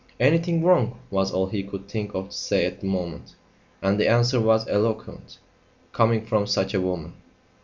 "Anything wrong?" was all he could think of to say at the moment. And the answer was eloquent, coming from such a woman.